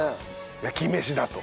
焼き飯だと。